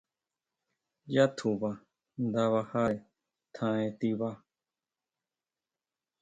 Yá tjuba nda bajare tjaen tiba.